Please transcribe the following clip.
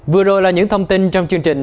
vừa rồi là những thông tin trong chương trình